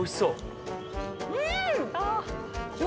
「うん！」